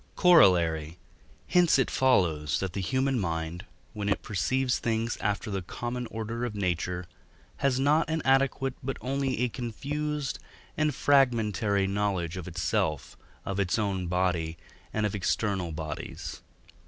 Corollary. Hence it follows that the human mind, when it perceives things after the common order of nature, has not an adequate but only a confused and fragmentary knowledge of itself, of its own body, and of external bodies.